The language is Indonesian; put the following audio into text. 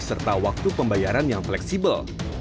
serta waktu pembayaran yang fleksibel